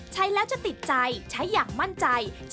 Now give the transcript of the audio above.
ใช้แล้วจะติดใจใช้อย่างมั่นใจ